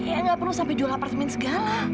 ya gak perlu sampai jual apartemen segala